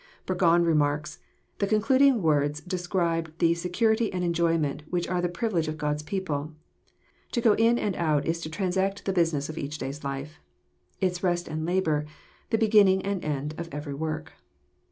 Burgon remarks :The concluding words describe the secur ity and enjoyment which are the privilege of God's people. To go in and out is to transact the business of each day's life : its rest and labour, the beginning and end of every work.